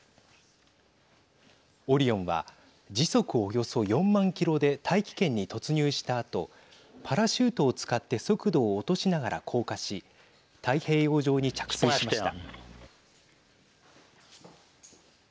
オリオンは時速およそ４万キロで大気圏に突入したあとパラシュートを使って速度を落としながら降下し太平洋上に着水しました。